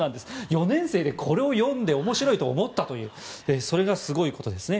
４年生でこれを読んで面白いと思ったというそれがすごいことですね。